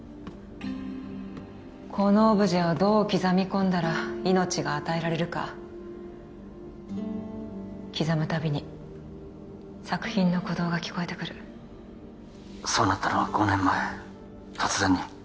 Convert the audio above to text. このオブジェをどう刻み込んだら命が与えられるか刻むたびに作品の鼓動が聞こえてくるそうなったのは５年前突然に？